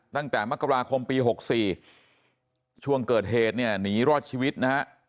ตั้งแต่มกราคมปี๖๔ช่วงเกิดเหตุเนี่ยหนีรอดชีวิตนะฮะ